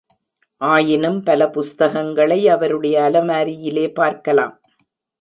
ஆயினும், பல புஸ்தகங்களை அவருடைய அலமாரியிலே பார்க்கலாம்.